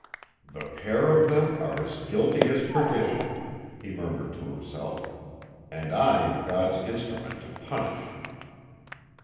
"The pair of them are as guilty as perdition," he murmured to himself, "and I am God's instrument to punish."